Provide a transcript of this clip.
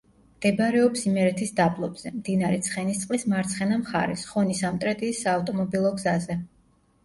მდებარეობს იმერეთის დაბლობზე, მდინარე ცხენისწყლის მარცხენა მხარეს, ხონი–სამტრედიის საავტომობილო გზაზე.